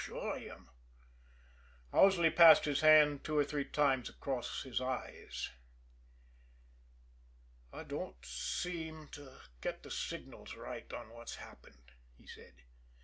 "Sure, I am." Owsley passed his hand two or three times across his eyes. "I don't quite seem to get the signals right on what's happened," he said.